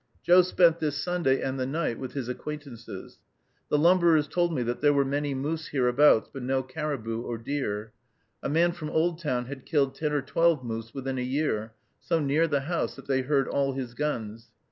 Joe spent this Sunday and the night with his acquaintances. The lumberers told me that there were many moose hereabouts, but no caribou or deer. A man from Oldtown had killed ten or twelve moose, within a year, so near the house that they heard all his guns.